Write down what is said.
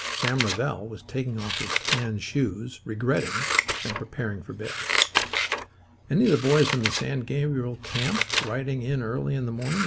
Sam Rivell was taking off his tan shoes regretting and preparing for bed. "Any of the boys from the San Gabriel camp riding in early in the morning?"